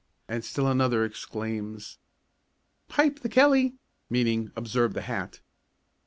and still another exclaims: "Pipe the kelly!" meaning, observe the hat.